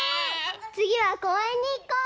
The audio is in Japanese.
つぎはこうえんにいこう！